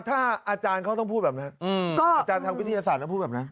ถ้าอาจารย์เขาต้องพูดแบบนั้นก็อาจารย์ทางวิทยาศาสตร์ต้องพูดแบบนั้น